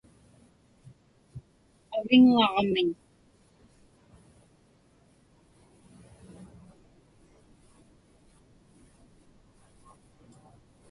aviŋŋaġmiñ